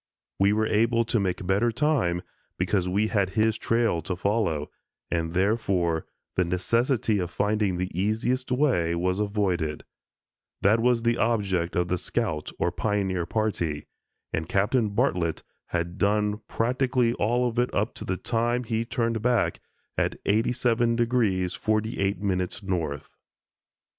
We were able to make better time because we had his trail to follow, and, therefore, the necessity of finding the easiest way was avoided. That was the object of the scout or pioneer party and Captain Bartlett had done practically all of it up to the time he turned back at 87° 48´ north.